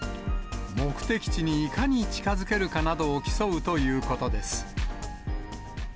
目的地にいかに近づけるかなどを競うということです。